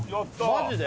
マジで？